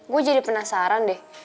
gue jadi penasaran deh